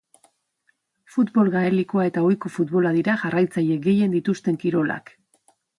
Futbol gaelikoa eta ohiko futbola dira jarraitzaile gehien dituzten kirolak.